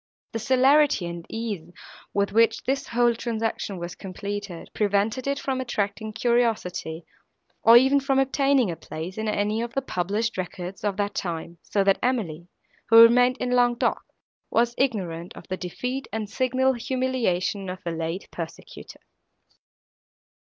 The celerity and ease, with which this whole transaction was completed, prevented it from attracting curiosity, or even from obtaining a place in any of the published records of that time; so that Emily, who remained in Languedoc, was ignorant of the defeat and signal humiliation of her late persecutor.